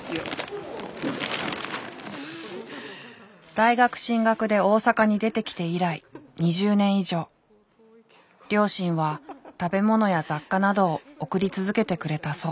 大学進学で大阪に出てきて以来２０年以上両親は食べ物や雑貨などを送り続けてくれたそう。